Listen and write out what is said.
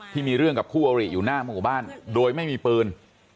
ที่มีเรื่องกับคู่อริอยู่หน้าหมู่บ้านโดยไม่มีปืน